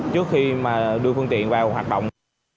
và đưa phương tiện vào hoạt động